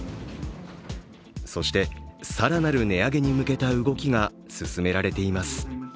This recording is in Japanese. そして更なる値上げに向けた動きが進められています。